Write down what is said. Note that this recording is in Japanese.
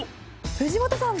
藤本さん。